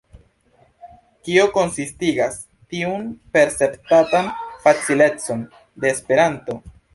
Kio konsistigas tiun perceptatan facilecon de Esperanto?